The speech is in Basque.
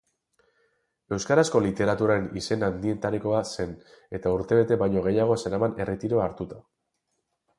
Euskarazko literaturaren izen handienetarikoa zen eta urtebete baino gehiago zeraman erretiroa hartuta.